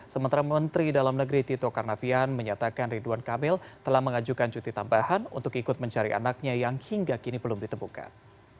sementara menteri dalam negeri tito karnavian menyatakan ridwan kamil telah mengajukan cuti tambahan untuk ikut mencari anaknya yang hingga kini belum ditemukan